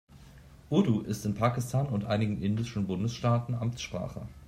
Urdu ist in Pakistan und einigen indischen Bundesstaaten Amtssprache.